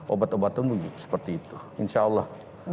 obat obatan seperti itu insya allah